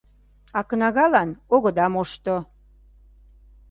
А кнагалан огыда мошто!